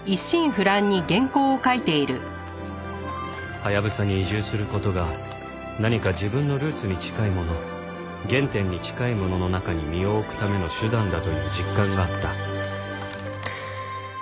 ハヤブサに移住する事が何か自分のルーツに近いもの原点に近いものの中に身を置くための手段だという実感があった